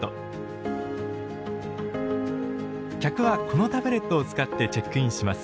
客はこのタブレットを使ってチェックインします。